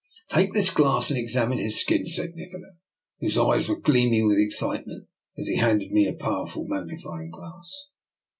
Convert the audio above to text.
" Take this glass and examine his skin," said Nikola, whose eyes were gleaming with excitement, as he handed me a powerful mag nifying glass.